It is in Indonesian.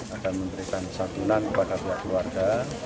akan memberikan santunan kepada pihak keluarga